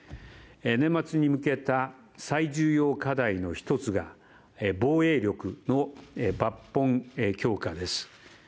年末に向けた最重要課題の１つが防衛力の抜本強化です。